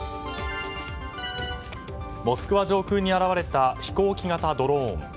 モスクワ上空に現れた飛行機型ドローン。